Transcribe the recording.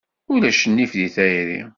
Ulac nnif deg tayri.